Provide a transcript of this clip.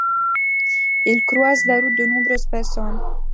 Il croise la route de nombreuses personnes.